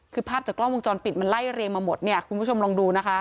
คือภาพจากกล้องวงจรปิดมันไล่เรียงมาหมดเนี่ยคุณผู้ชมลองดูนะคะ